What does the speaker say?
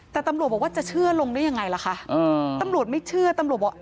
แต่ตำรวจบอกว่าจะเชื่อลงได้ยังไงล่ะคะตำรวจไม่เชื่อตำรวจบอก